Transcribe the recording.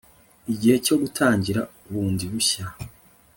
igihe cyo gutangira bundi bushya